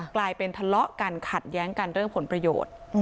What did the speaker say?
กลายเป็นทะเลาะกันขัดแย้งกันเรื่องผลประโยชน์